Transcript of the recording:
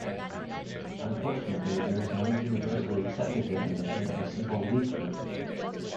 Unfortunately, there is no universally accepted definition of a simple Lie group.